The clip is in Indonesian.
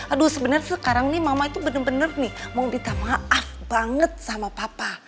aduh sebenarnya sekarang nih mama itu bener bener nih mau minta maaf banget sama papa